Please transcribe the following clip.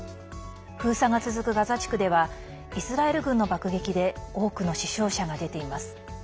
封鎖が続くガザ地区ではイスラエル軍の爆撃で多くの死傷者が出ています。